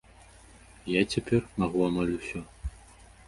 Я цяпер магу амаль усё.